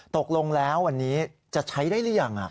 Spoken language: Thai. ตกลงแล้ววันนี้จะใช้ได้หรือยัง